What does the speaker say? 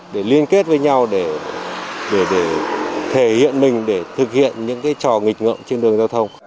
để liên kết với nhau để thể hiện mình để thực hiện những cái trò nghiệp